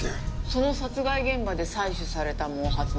その殺害現場で採取された毛髪のＤＮＡなの？